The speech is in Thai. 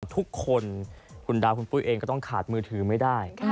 ทุกคนคุณดาวคุณปุ้ยเองก็ต้องขาดมือถือไม่ได้